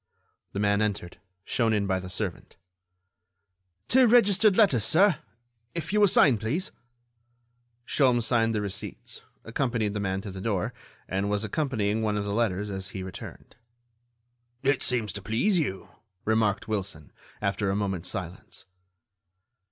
The man entered, shown in by the servant. "Two registered letters, sir ... if you will sign, please?" Sholmes signed the receipts, accompanied the man to the door, and was opening one of the letters as he returned. "It seems to please you," remarked Wilson, after a moment's silence.